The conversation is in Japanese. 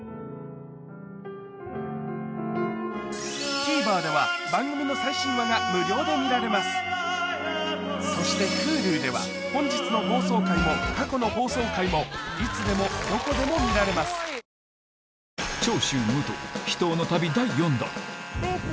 ＴＶｅｒでは番組の最新話が無料で見られますそしてＨｕｌｕでは本日の放送回も過去の放送回もいつでもどこでも見られますよいしょ。